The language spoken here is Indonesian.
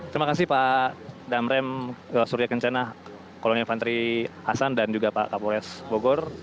terima kasih pak damrem surya kencana kolonial santri hasan dan juga pak kapolres bogor